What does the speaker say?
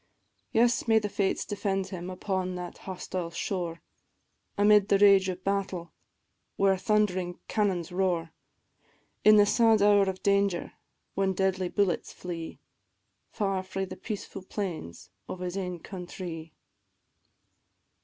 Yes, may the fates defend him upon that hostile shore, Amid the rage of battle, where thund'ring cannons roar; In the sad hour of danger, when deadly bullets flee, Far frae the peacefu' plains of his ain countrie.